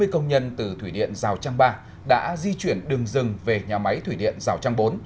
bốn mươi công nhân từ thủy điện giao trang ba đã di chuyển đường dừng về nhà máy thủy điện giao trang bốn